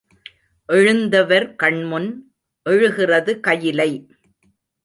எழுந்தவர் கண்முன் எழுகிறது கயிலை.